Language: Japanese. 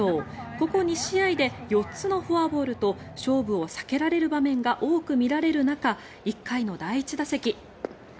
ここ２試合で４つのフォアボールと勝負を避けられる場面が多く見られる中１回の第１打席。